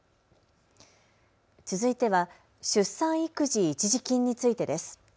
続いては出産育児一時金についてです。